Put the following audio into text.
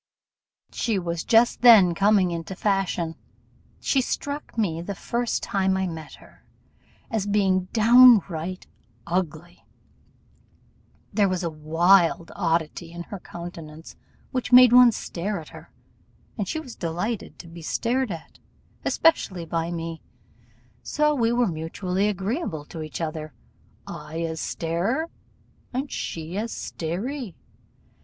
She was just then coming into fashion; she struck me, the first time I met her, as being downright ugly; but there was a wild oddity in her countenance which made one stare at her, and she was delighted to be stared at, especially by me; so we were mutually agreeable to each other I as starer, and she as staree.